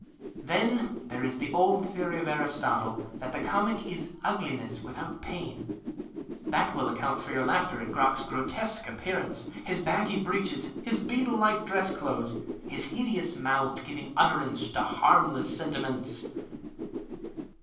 Then there is the old theory of Aristotle, that the comic is ugliness without pain. That will account for your laughter at Crock's grotesque appearance, his baggy breeches, his beetle like dress clothes, his hideous mouth giving utterance to harmless senti ments.